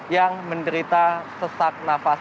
yang menderita sesak nafas